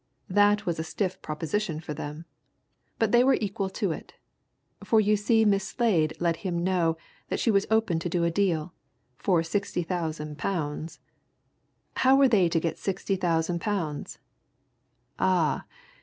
That was a stiff proposition for them. But they were equal to it. For you see Miss Slade let him know that she was open to do a deal for sixty thousand pounds! How were they to get sixty thousand pounds? Ah!